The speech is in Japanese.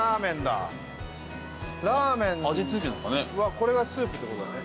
ラーメンはこれがスープってことだね。